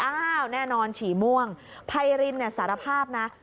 แน่นอนฉี่ม่วงไพรินเนี่ยสารภาพนะ